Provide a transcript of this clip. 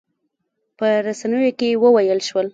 په رسنیو کې وویل شول.